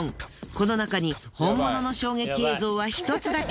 このなかに本物の衝撃映像は１つだけ。